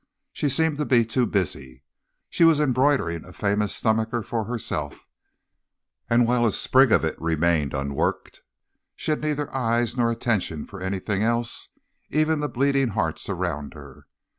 She seemed to be too busy. She was embroidering a famous stomacher for herself, and while a sprig of it remained unworked she had neither eyes nor attention for anything else, even for the bleeding hearts around her.